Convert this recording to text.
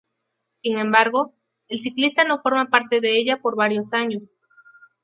Sin embargo, el Ciclista no forma parte de ella por varios años.